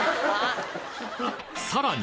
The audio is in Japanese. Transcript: さらに